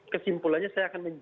kesimpulannya saya akan